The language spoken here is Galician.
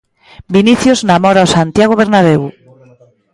Vinicius namora o Santiago Bernabéu.